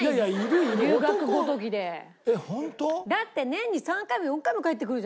だって年に３回も４回も帰ってくるじゃないですか。